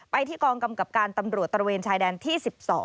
ที่กองกำกับการตำรวจตระเวนชายแดนที่๑๒